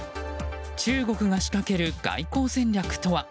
中国が仕掛ける外交戦略とは？